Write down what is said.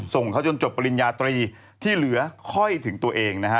ส่งเขาจนจบปริญญาตรีที่เหลือค่อยถึงตัวเองนะฮะ